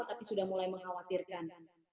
tapi sudah mulai mengkhawatirkan